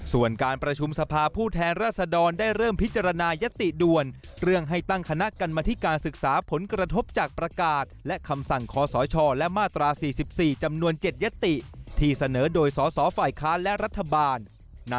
ส่วนการประชุมสภาพผู้แทนราษดรได้เริ่มพิจารณายติด่วน